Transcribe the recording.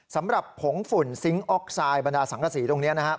สำหรับผงฝุ่นซิงก์ออกไซด์บรรดา๒๔ตรงนี้นะครับ